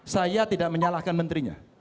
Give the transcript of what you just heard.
saya tidak menyalahkan menterinya